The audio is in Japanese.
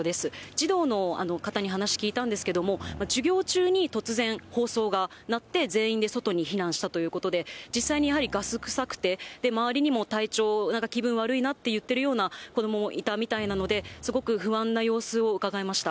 児童の方に話聞いたんですけれども、授業中に突然、放送が鳴って、全員で外に避難したということで、実際にやはりガス臭くて、周りにも体調、気分悪いなっていってるような子どももいたみたいなので、すごく不安な様子をうかがえました。